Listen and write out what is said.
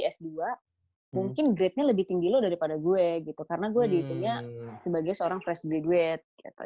s dua mungkin grade nya lebih tinggi lo daripada gue gitu karena gue dihitungnya sebagai seorang fresh graduate